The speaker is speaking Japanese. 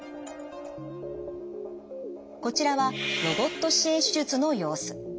こちらはロボット支援手術の様子。